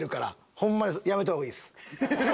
ホンマにやめたほうがいいです。